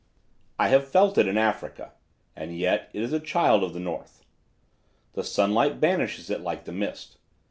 "I have felt it in Africa, and yet it is a child of the north. The sunlight banishes it like the mist.